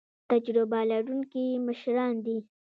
تجربه لرونکي مشران دي